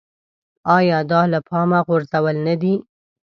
ایا دا له پامه غورځول نه دي.